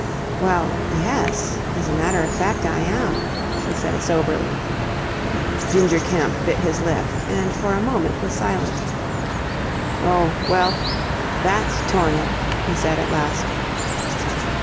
"Well, yes, as a matter of fact I am," she said soberly. Ginger Kemp bit his lip and for a moment was silent. "Oh, well, that's torn it!" he said at last.